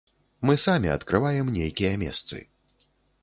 Мы самі адкрываем нейкія месцы.